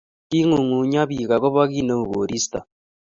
king'uny ng'unyo biik akobo kiit neu koristo